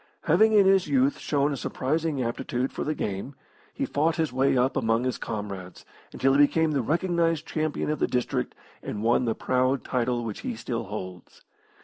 Having in his youth shown a surprising aptitude for the game, he fought his way up among his comrades, until he became the recognised champion of the district and won the proud title which he still holds.